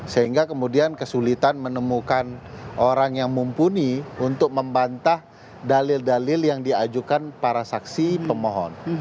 sehingga kemudian kesulitan menemukan orang yang mumpuni untuk membantah dalil dalil yang diajukan para saksi pemohon